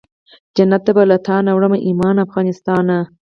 جنت ته به له تانه وړم ایمان افغانستانه